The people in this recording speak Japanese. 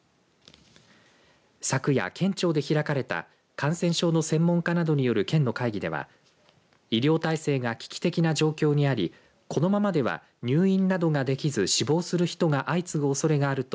昨夜、県庁で開かれた感染症の専門家などによる県の会議では医療体制が危機的な状況にありこのままでは入院などができず死亡する人が相次ぐおそれがあると